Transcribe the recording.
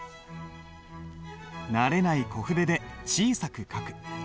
慣れない小筆で小さく書く。